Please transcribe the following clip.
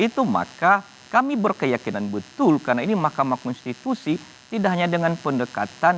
itu maka kami berkeyakinan betul karena ini mahkamah konstitusi tidak hanya dengan pendekatan